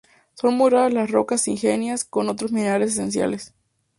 Son muy raras las rocas ígneas con otros minerales esenciales.